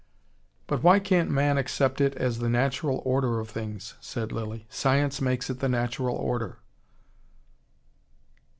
"But why can't man accept it as the natural order of things?" said Lilly. "Science makes it the natural order."